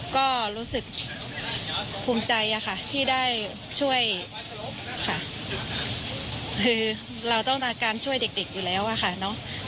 ก็รู้สึกภูมิใจอะค่ะที่ได้ช่วยค่ะคือเราต้องการช่วยเด็กอยู่แล้วอะค่ะเนอะ